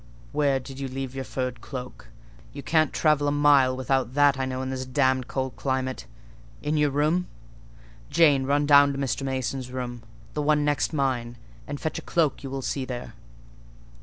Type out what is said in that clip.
Where did you leave your furred cloak? You can't travel a mile without that, I know, in this damned cold climate. In your room?—Jane, run down to Mr. Mason's room,—the one next mine,—and fetch a cloak you will see there."